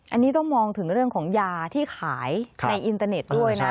อันนี้ก็มองถึงเรื่องของยาที่ขายในอินเตอร์เน็ตด้วยนะ